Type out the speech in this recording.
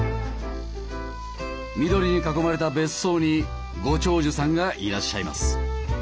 緑に囲まれた別荘にご長寿さんがいらっしゃいます。